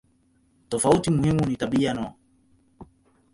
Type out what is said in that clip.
Tofauti muhimu ni tabia no.